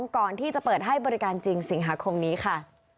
ก่อนที่จะเปิดให้บริการจริงสิงหาคมนี้ค่ะ